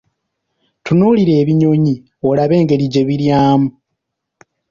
Tunuulira ebinnyonyi olabe engeri gye biryamu.